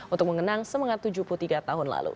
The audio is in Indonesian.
untuk mengenang semangat tujuh puluh tiga tahun lalu